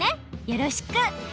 よろしく！